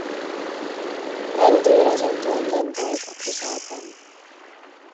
Rendőr azonban nem volt a közelben.